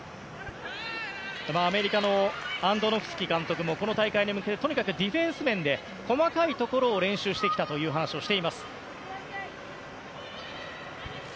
アメリカのアンドノフスキ監督もディフェンス面で細かいところを練習してきたという話をしています。